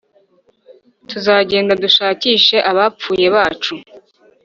tuzagenda dushakishe abapfuye bacu;